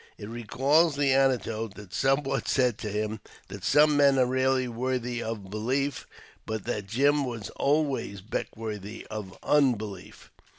It recalls the anecdote that some one said of him that some men are rarely worthy of belief, but that Jim was always Beckwourthy of un belief.